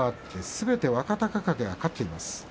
すべて若隆景が勝っています。